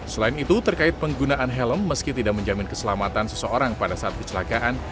selain itu terkait penggunaan helm meski tidak menjamin keselamatan seseorang pada saat kecelakaan